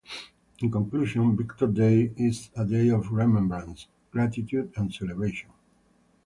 In conclusion, Victory Day is a day of remembrance, gratitude, and celebration.